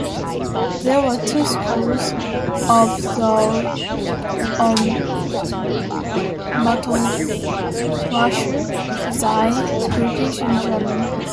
There were two schools of thought on battlecruiser design: British and German.